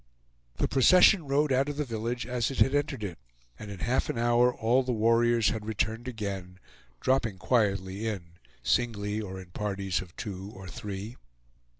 The procession rode out of the village as it had entered it, and in half an hour all the warriors had returned again, dropping quietly in, singly or in parties of two or three.